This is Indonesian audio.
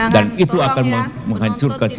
dan itu akan menghancurkan sistem